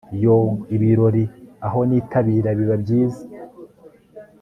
yoo! ibirori aho nitabira biba byiza